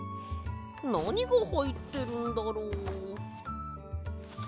なにがはいってるんだろう。